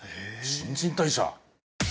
新陳代謝